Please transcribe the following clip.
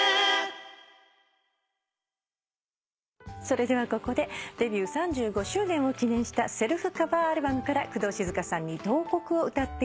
それではここでデビュー３５周年を記念したセルフカバーアルバムから工藤静香さんに『慟哭』を歌っていただきます。